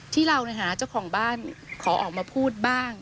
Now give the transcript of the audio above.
ที่เราหาเจ้าของบ้านขอออกมาพูดบ้าง